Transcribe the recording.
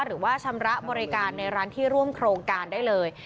หรือว่าชำระบริการในร้านที่ร่วมโครงการได้เลย